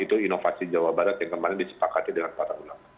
itu inovasi jawa barat yang kemarin disepakati dengan para ulama